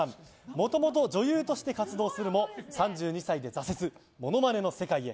もともと女優として活動するも３２歳で挫折、モノマネの世界へ。